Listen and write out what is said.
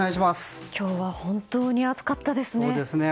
今日は本当に暑かったですね。